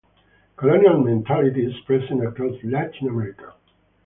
Colonial mentality is present across Latin America.